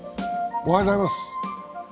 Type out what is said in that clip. おはようございます。